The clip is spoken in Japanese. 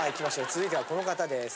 続いてはこの方です。